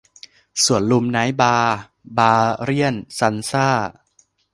สวนลุมไนท์บาร์บาเรี่ยนซัลซ่า !